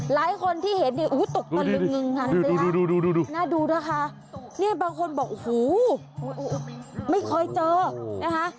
หลายคนที่เห็นเนี่ยโอ้โหตกตัวนึงน่าดูนะคะเนี่ยบางคนบอกหูไม่ค่อยเจอนะคะ